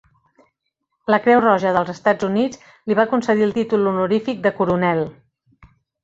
La Creu Roja dels Estats Units li va concedir el títol honorífic de coronel.